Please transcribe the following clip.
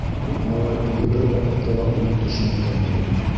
Тик малай үҙе бер ваҡытта ла уның төшөнә кермәй ине.